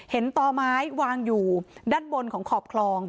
ต่อไม้วางอยู่ด้านบนของขอบคลอง